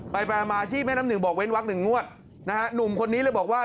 ไปไปมาที่แม่น้ำหนึ่งบอกเว้นวักหนึ่งงวดนะฮะหนุ่มคนนี้เลยบอกว่า